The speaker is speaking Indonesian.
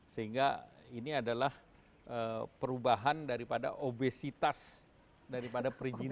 sehingga ini adalah perubahan daripada obesitas daripada perizinan